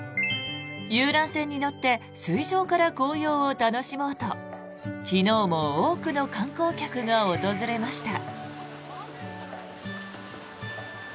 遊覧船に乗って水上から紅葉を楽しもうと昨日も多くの観光客が訪れました。